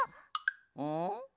うん？